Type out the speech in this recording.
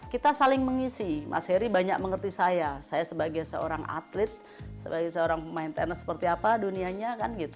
kita saling mengisi mas heri banyak mengerti saya saya sebagai seorang atlet sebagai seorang pemain tenis seperti apa dunianya